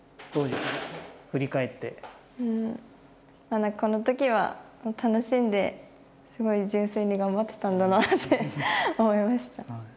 まだこの時は楽しんですごい純粋に頑張ってたんだなって思いました。